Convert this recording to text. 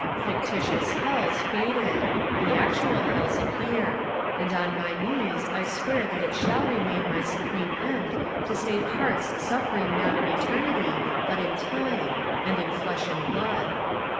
Fictitious hells faded, the actual hells appear ; and on my knees I swear that it shall remain my supreme end to save hearts suffering not in eternity but in time, and in flesh and blood.